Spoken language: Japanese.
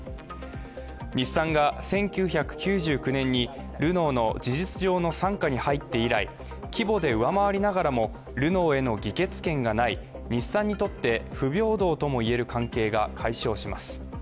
日産が１９９９年にルノーの事実上の傘下に入って以来、規模で上回りますがルノーへの議決権がない日産にとって不平等とも言える関係が解消します。